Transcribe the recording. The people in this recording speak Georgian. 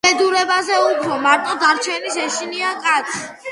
უბედურებაზე უფრო, მარტო დარჩენის ეშინია კაცს.